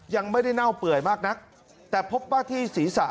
ยังไม่ได้เน่าเปื่อยมากนักแต่พบว่าที่ศีรษะ